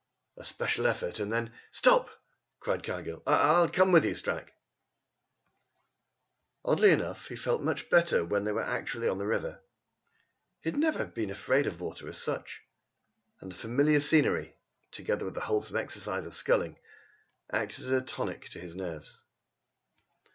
A special effort and then: "Stop!" cried Cargill. "I I'll come with you, Stranack." Oddly enough, he felt much better when they were actually on the river. He had never been afraid of water, as such. And the familiar scenery, together with the wholesome exercise of sculling, acted as a tonic to his nerves.